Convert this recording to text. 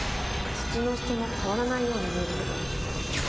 土の質も変わらないように見えるけど。